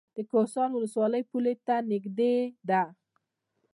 د کهسان ولسوالۍ پولې ته نږدې ده